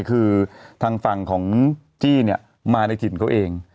คือทางฝั่งของจี้มาในจิตเขาเอง